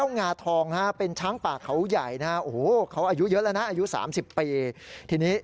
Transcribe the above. มันก็เลยจัดการต่อเลยเลยว่าไม่หยุดเลยอ่ะทีนี้